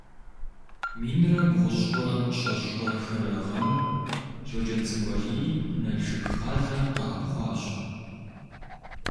Минрэ бгъущIрэ щэщIрэ хырэ гъэм Щоджэнцӏыкӏу Алий Налшык къалэ къэӏэпхъуащ.